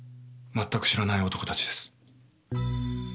まったく知らない男たちです。